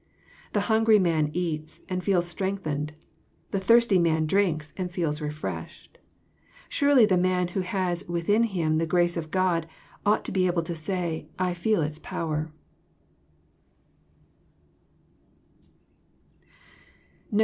The hungry man eats, and feels strengthened ; the thirsty man drinks, and feels refreshed. Surely the man who has within him the grace of God, ought to be able to say, " I feel its power.